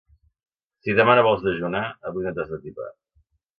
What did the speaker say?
Si demà no vols dejunar, avui no t'has d'atipar.